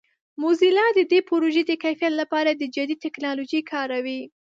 موزیلا د دې پروژې د کیفیت لپاره د جدید ټکنالوژیو کاروي.